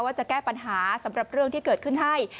ว่าจะแก้ปัญหาสำหรับเรื่องที่เกิดขึ้นให้